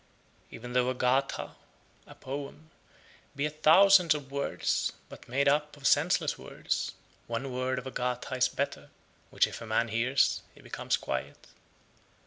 101. Even though a Gatha (poem) be a thousand (of words), but made up of senseless words, one word of a Gatha is better, which if a man hears, he becomes quiet.